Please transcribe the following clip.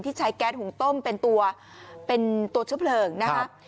ที่ใช้แก๊สหุ่งต้มเป็นตัวเฉพาะเผลิงนะครับ